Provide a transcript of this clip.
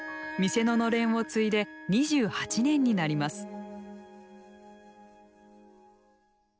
店の暖簾を継いで２８年になります